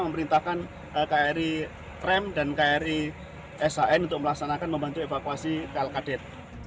memerintahkan kri trem dan kri shn untuk melaksanakan membantu evakuasi kl kadet